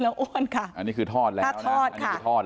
แล้วอ้วนค่ะอันนี้คือทอดแล้วทอดอันนี้คือทอด